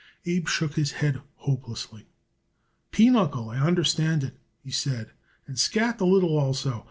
Abe shook his head hopelessly. "Pinochle, I understand it," he said, "and skat a little also.